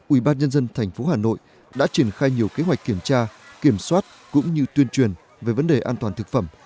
ubnd tp hà nội đã triển khai nhiều kế hoạch kiểm tra kiểm soát cũng như tuyên truyền về vấn đề an toàn thực phẩm